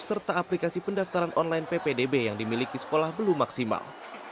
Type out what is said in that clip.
serta aplikasi pendaftaran online ppdb yang dimiliki sekolah belum maksimal